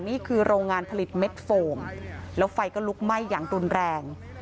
โรงงานผลิตเม็ดโฟมแล้วไฟก็ลุกไหม้อย่างรุนแรง